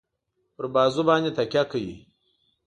پر بازو باندي تکیه کوي.